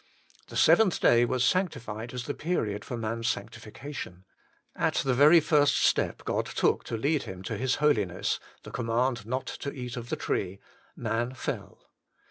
The seventh day was sanctified as the period for man's sanctification. At the very first step God took to lead him to His Holiness the command not to eat of the tree man fell.